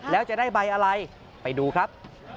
แล้วจะได้ใบอะไรไปดูครับ